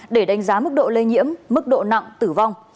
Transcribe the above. để đánh giá mức độ lây nhiễm mức độ nặng tử vong